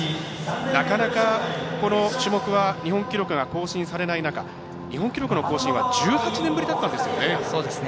なかなかこの種目は日本記録が更新されない中日本記録の更新は１８年ぶりだったんですよね。